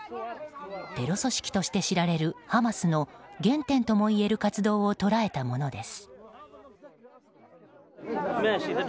テロ組織として知られるハマスの原点ともいえる活動を捉えたものです。